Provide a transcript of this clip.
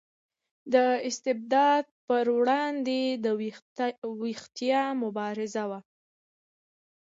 د استبداد پر وړاندې د ویښتیا مبارزه وه.